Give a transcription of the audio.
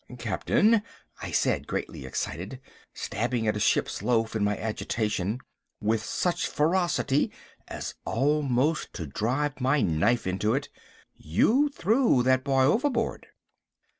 "Captain," I said, greatly excited, stabbing at a ship's loaf in my agitation with such ferocity as almost to drive my knife into it— "You threw that boy overboard!"